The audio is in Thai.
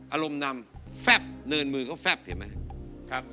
อารมณ์นำแฟบเนินมือก็แฟบเห็นไหม